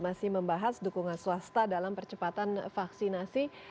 masih membahas dukungan swasta dalam percepatan vaksinasi